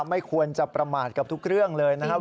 ไม่ควรจะประมาทกับทุกเรื่องเลยนะครับ